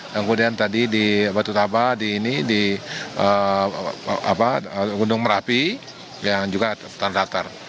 kemudian tadi di batutaba di gunung merapi yang juga atas tanah latar